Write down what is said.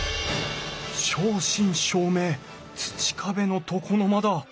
正真正銘土壁の床の間だ。